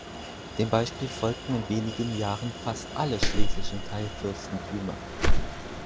Dem Beispiel folgten in wenigen Jahren fast alle schlesischen Teilfürstentümer.